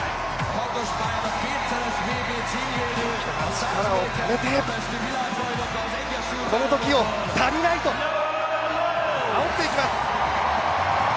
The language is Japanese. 力をためて、この時を、足りないとあおっていきます。